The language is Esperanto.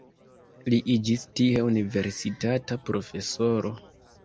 Li iĝis tie universitata profesoro.